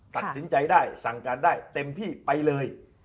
ตัดสินใจได้สั่งการได้เต็มที่ไปเลย